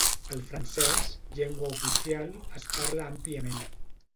El francès, llengua oficial, es parla àmpliament.